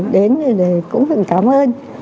đến đây cũng cảm ơn